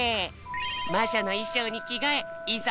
まじょのいしょうにきがえいざ